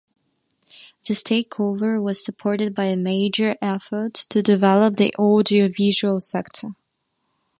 This takeover was supported by a major effort to develop the audio-visual sector.